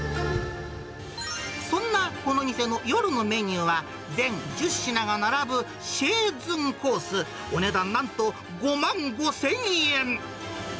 そんなこの店の夜のメニューは、全１０品が並ぶシェーズゥンコース、お値段なんと５万５０００円。